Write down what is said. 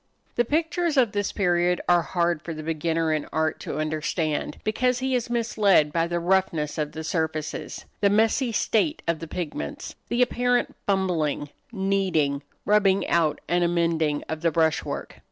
The pictures of this period are hard for the beginner in art to understand, because he is misled by the roughness of the surfaces, the messy state of the pigments, the apparent fumbling, kneading, rubbing out and amending, of the brush work.